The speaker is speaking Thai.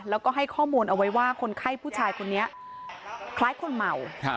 แล้วก็ให้ข้อมูลเอาไว้ว่าคนไข้ผู้ชายคนนี้คล้ายคนเมา